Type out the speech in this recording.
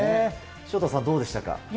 潮田さん、どうでしたか。